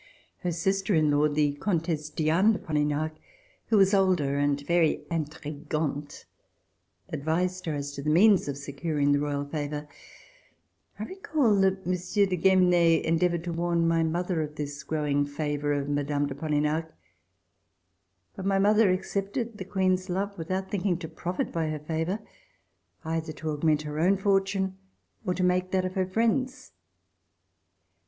Her sister in law, the Comtesse Diane de Polignac, who was older and very intrigante^ advised her as to the means of secur ing the royal favor. I recall that Monsieur de Gue mene endeavored to warn my mother of this grow ing favor of Mme. de Polignac, but my mother accepted the Queen's love without thinking to profit by her favor, either to augment her own fortune or to make that of her friends.